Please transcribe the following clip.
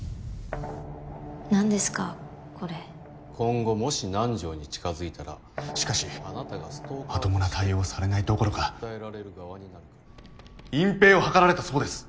何ですかこれ今後もし南条に近づいたらしかしまともな対応をされないどころか隠蔽を図られたそうです。